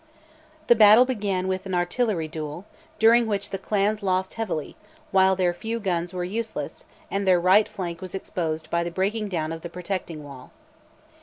The battle began with an artillery duel, during which the clans lost heavily, while their few guns were useless, and their right flank was exposed by the breaking down of the protecting wall.